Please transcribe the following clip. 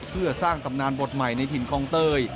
เพื่อสร้างตำนานบทใหม่ในถิ่นกองเตย